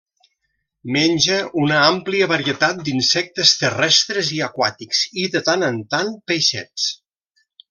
Menja una àmplia varietat d'insectes terrestres i aquàtics i, de tant en tant, peixets.